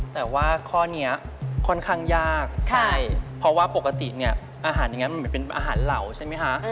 แต่ว่าข้อนี้ค่อนข้างยากใช่เพราะว่าปกติเนี่ยอาหารอย่างนั้นมันเหมือนเป็นอาหารเหล่าใช่ไหมคะ